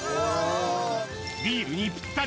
ビールにぴったり！